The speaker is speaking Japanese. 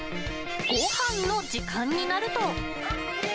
ごはんの時間になると。